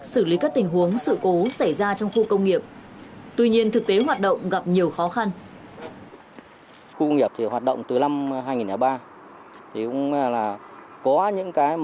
xử lý các tình huống sự cố xảy ra trong khu công nghiệp tuy nhiên thực tế hoạt động gặp nhiều khó khăn